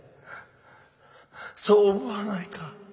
そう思わないか？